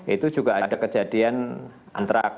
itu juga ada kejadian antrak